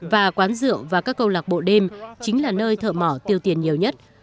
và quán rượu và các câu lạc bộ đêm chính là nơi thợ mỏ tiêu tiền nhiều nhất